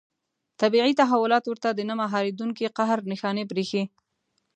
طبیعي تحولات ورته د نه مهارېدونکي قهر نښانې برېښي.